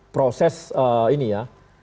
proses ini ya